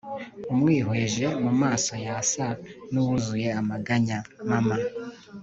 umwihweje mumaso yasa nuwuzuye amaganya…Mama